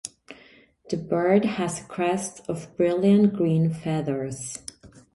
The bird has a crest of brilliant green feathers.